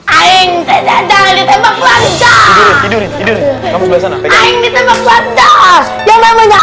aing saya jatah ditembak wadah